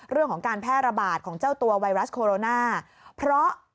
เรื่องของการแพร่ระบาดของเจ้าตัวไวรัสโคโรนาเพราะ